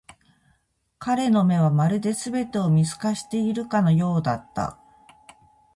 彼の目は、まるで全てを見透かしているかのようだった。